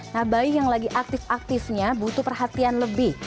nah bayi yang lagi aktif aktifnya butuh perhatian lebih